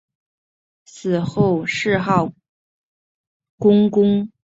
死后谥号恭公。